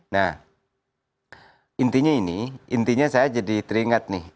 nah intinya ini intinya saya jadi teringat nih